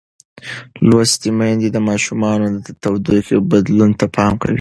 لوستې میندې د ماشومانو د تودوخې بدلون ته پام کوي.